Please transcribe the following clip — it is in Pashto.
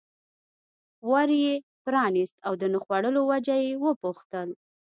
ور یې پرانست او د نه خوړلو وجه یې وپوښتل.